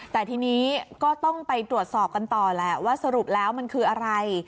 แต่ทีนี้ก็ต้องไปตรวจสอบกันต่อแหละว่าสรุปแล้วมันคืออะไร